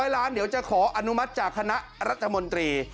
๐ล้านเดี๋ยวจะขออนุมัติจากคณะรัฐมนตรี